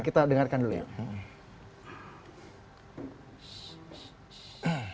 kita dengarkan dulu ya